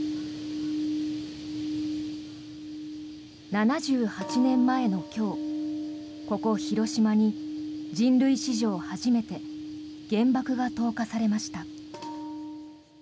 ７８年前の今日、ここ広島に人類史上初めて原爆が投下されました。